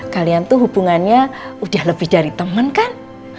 kalian tuh hubungannya udah lebih dari teman kan